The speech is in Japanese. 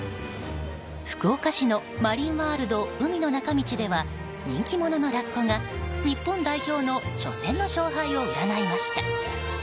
福岡市のマリーンワールド海の中道では人気者のラッコが日本代表の初戦の勝敗を占いました。